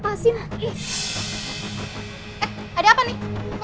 eh ada apa nih